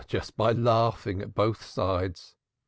"Just by laughing at both sides.